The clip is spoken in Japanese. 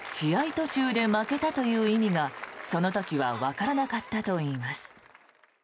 途中で負けたという意味がその時はわからなかったといいます。